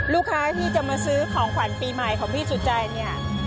ลูกค้าที่จะมาซื้อของขวัญปีใหม่ของพี่สุจัยเนี่ย